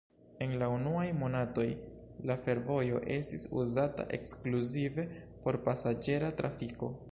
En la unuaj monatoj, la fervojo estis uzata ekskluzive por pasaĝera trafiko.